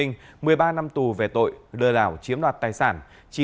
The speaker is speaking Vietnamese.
một mươi ba năm tù về tội